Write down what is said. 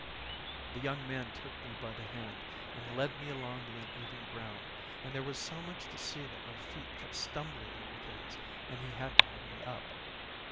The young man took me by the hand and led me along the uneven ground, and there was so much to see that my feet kept stumbling over things, and he had to hold me up.